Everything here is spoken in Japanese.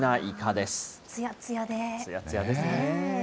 つやつやですね。